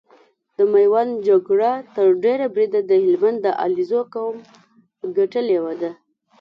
د ميوند جګړه تر ډېره بريده د هلمند د عليزو قوم ګټلې ده۔